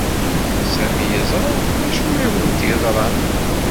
Sami yeẓra d acu ay awent-yeḍran.